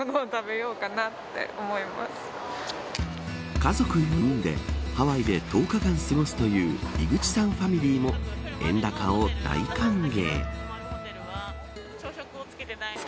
家族４人でハワイで１０日間過ごすという井口さんファミリーも円高を大歓迎。